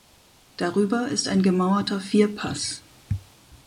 Darüber ist ein gemauerter Vierpass.